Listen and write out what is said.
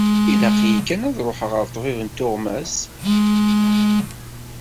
Ilaq-iyi kan ad ruḥeɣ ɣer ṭṭbib n teɣmas.